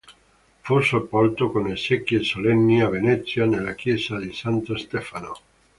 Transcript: Fu sepolto con esequie solenni a Venezia nella chiesa di Santo Stefano.